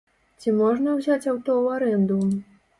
Ці можна ўзяць аўто ў арэнду?